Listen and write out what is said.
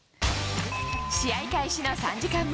試合開始の３時間前。